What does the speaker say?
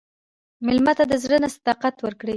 مېلمه ته د زړه نه صداقت ورکړه.